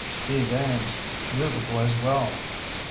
Steve Ames knew the boys well.